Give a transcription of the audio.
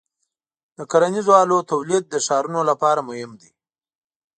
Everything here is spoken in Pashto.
د کرنیزو آلو تولید د ښارونو لپاره مهم دی.